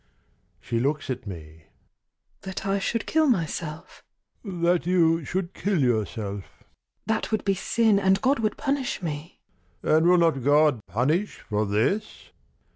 She looks at me. "That I should kill myself?"— "That you should kill yourself."—"That would be sin, And God would punish me!"—"And will not God Punish for this?"